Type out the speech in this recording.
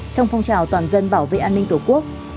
trong phong trào toàn dân bảo vệ an ninh tổ quốc